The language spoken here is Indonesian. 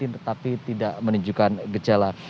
tetapi tidak menunjukkan gejala